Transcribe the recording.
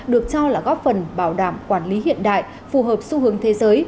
được cho là góp phần bảo đảm quản lý hiện đại phù hợp xu hướng thế giới